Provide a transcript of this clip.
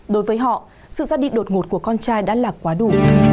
đối với họ sự gia đình đột ngột của con trai đã là quá đủ